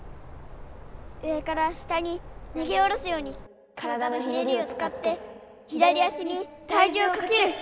「上から下に投げ下ろすように体のひねりを使って左足にたいじゅうをかける！」。